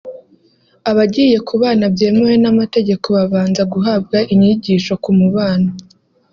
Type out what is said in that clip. abagiye kubana byemewe n’amategeko babanza guhabwa inyigisho ku mubano